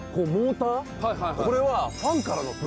これは。